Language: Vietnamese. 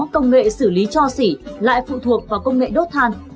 công nghệ xử lý cho xỉ lại phụ thuộc vào công nghệ đốt than